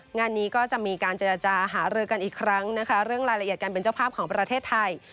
งานนี้ก็จะมีการเจรจาหารือกันอีกครั้งนะคะเรื่องรายละเอียดการเป็นเจ้าภาพของประเทศไทย